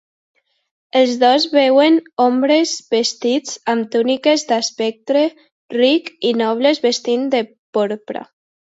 Els dos veuen homes vestits amb túniques d'aspecte ric i nobles vestint de porpra.